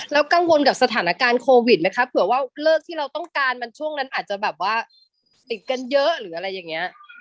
แล้วกังวลกับสถานการณ์โควิดไหมคะเผื่อว่าเลิกที่เราต้องการมันช่วงนั้นอาจจะแบบว่าติดกันเยอะหรืออะไรอย่างนี้